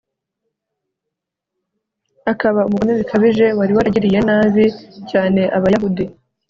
akaba umugome bikabije wari waragiriye nabi cyane abayahudi